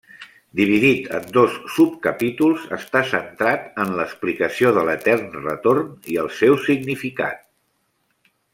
Dividit en dos subcapítols, està centrat en l’explicació de l’etern retorn i el seu significat.